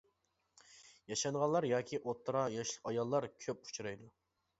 ياشانغانلار ياكى ئوتتۇرا ياشلىق ئاياللار كۆپ ئۇچرايدۇ.